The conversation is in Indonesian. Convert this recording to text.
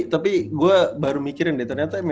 tapi gua baru mikirin deh ternyata